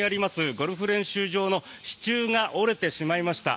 ゴルフ練習場の支柱が折れてしまいました。